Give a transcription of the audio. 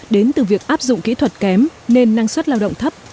đến từ việc áp dụng kỹ thuật kém nên năng suất lao động thấp